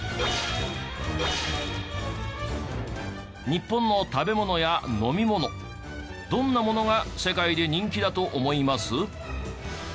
日本の食べ物や飲み物どんなものが世界で人気だと思います？